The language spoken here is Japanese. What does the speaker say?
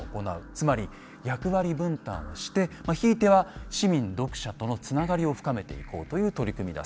つまり役割分担をしてひいては市民読者とのつながりを深めていこうという取り組みだそうです。